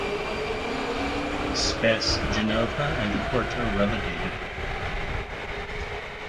Spes Genova and Quarto relegated.